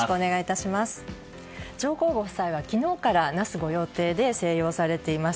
上皇ご夫妻は昨日から那須御用邸で静養されています。